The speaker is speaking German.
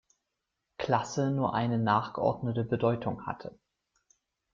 Klasse nur eine nachgeordnete Bedeutung hatte.